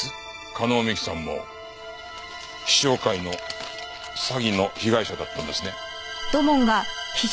加納美樹さんも陽尚会の詐欺の被害者だったんですね？